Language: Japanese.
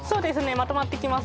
まとまってきます